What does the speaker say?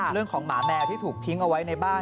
หมาแมวที่ถูกทิ้งเอาไว้ในบ้าน